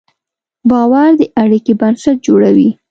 باور د اړیکې بنسټ جوړوي.